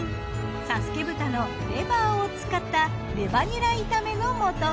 佐助豚のレバーを使ったレバニラ炒めの素。